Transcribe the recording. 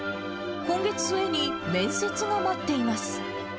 今月末に面接が待っています。